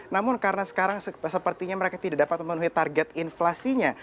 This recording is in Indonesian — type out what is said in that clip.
namun karena sekarang sepertinya mereka tidak dapat memenuhi target inflasinya